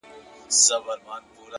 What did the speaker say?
هوښیار انسان له وخت نه دوست جوړوي.!